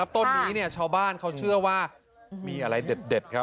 ต้นนี้ชาวบ้านเขาเชื่อว่ามีอะไรเด็ดครับ